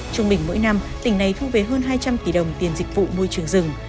trong bình mỗi năm tỉnh này thu về hơn hai trăm linh tỷ đồng